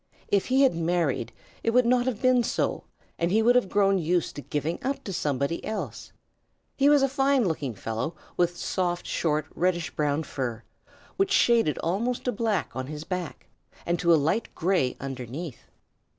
If he had married, it would not have been so, and he would have grown used to giving up to somebody else. He was a fine looking fellow with soft, short, reddish brown fur, which shaded almost to black on his back, and to a light gray underneath.